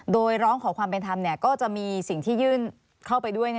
โดยร้องขอความเป็นธรรมก็จะมีสิ่งที่ยื่นเข้าไปด้วย